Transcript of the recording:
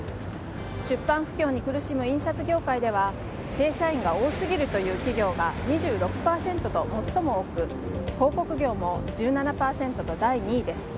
出版不況に苦しむ印刷業界では正社員が多すぎるという企業が２６．６％と最も多く広告業も１７％と第２位です。